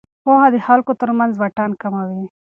پوهه د خلکو ترمنځ واټن کموي.